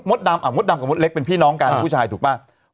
มดดำอ่ะมดดำกับมดเล็กเป็นพี่น้องกันอ่าผู้ชายถูกป่ะวันนี้